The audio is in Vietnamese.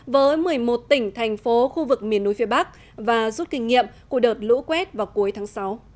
với một mươi một tỉnh thành phố khu vực miền núi phía bắc và rút kinh nghiệm của đợt lũ quét vào cuối tháng sáu